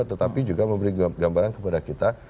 tetapi juga memberi gambaran kepada kita